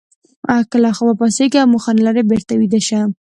که له خوبه پاڅېږئ او موخه نه لرئ بېرته ویده شئ.